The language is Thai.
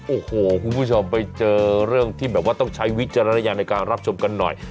โอ้โหคุณผู้ชมไปเจอเรื่องที่แบบว่าต้องใช้วิจารณญาณในการรับชมกันหน่อย